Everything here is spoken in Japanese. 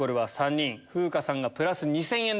風花さんがプラス２０００円でした。